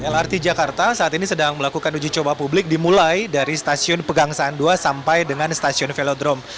lrt jakarta saat ini sedang melakukan uji coba publik dimulai dari stasiun pegangsaan dua sampai dengan stasiun velodrome